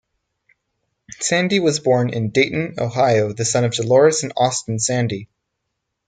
Sandy was born in Dayton, Ohio, the son of Dolores and Austin Sandy.